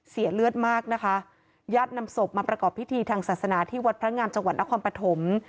เสียเลือดมากนะคะญาตินำศพมาประกอบพิธีทางศาสนาที่วัดพระงามจังหวัดนครปฐม